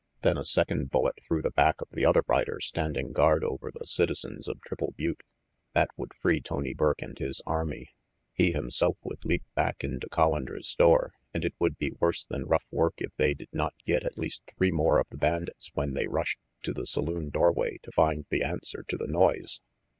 Then a second bullet through the back of the other rider standing guard over the citizens of Triple Butte. That would free Tony Burke and his army. He 26 RANGY PETE himself would leap back into Collander's store, and it would be worse than rough work if they did not get at least three more of the bandits when they rushed to the saloon doorway to find the answer to the noise.